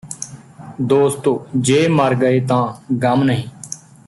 ਦੋਸਤੋ ਜੇ ਮਰ ਗਏ ਤਾਂ ਗ਼ਮ ਨਹੀਂ